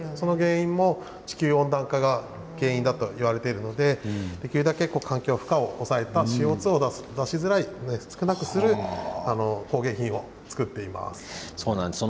地球温暖化が原因だと言われているのでできるだけ環境への負荷を抑えてＣＯ２を少なくする工芸品を作っています。